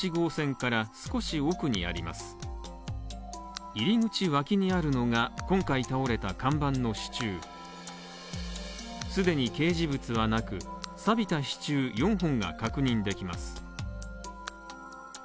入り口脇にあるのが、今回倒れた看板の支柱既に掲示物はなく、錆びた支柱４本が確認できます。